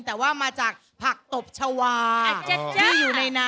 แต่ว่ามาจากผักตบชวา